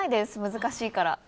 難しいから。